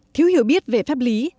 thiếu hiểu biết về pháp lý